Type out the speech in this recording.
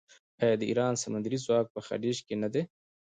آیا د ایران سمندري ځواک په خلیج کې نه دی؟